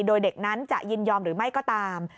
โดยเด็กนั้นจะยินยอมหรือไม่ก็ตาม